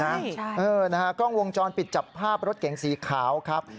ใช่เออนะฮะกล้องวงจรปิดจับภาพรถเก๋งสีขาวครับ